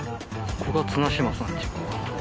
ここが綱島さん家か。